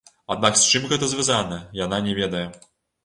Аднак з чым гэта звязана, яна не ведае.